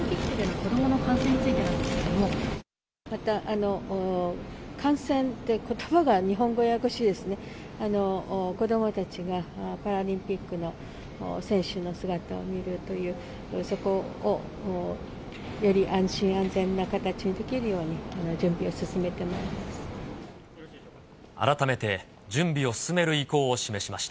子どもたちがパラリンピックの選手の姿を見るという、そこをより安心・安全な形にできるように準備を進めてまいります。